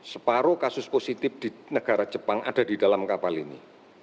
separuh kasus positif di negara jepang ada di dalam kapal ini